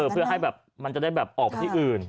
เพื่อให้มันจะได้ออกไปที่อื่น